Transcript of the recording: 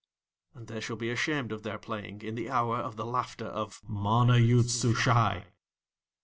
And They shall be ashamed of Their playing in the hour of the laughter of MANA YOOD SUSHAI.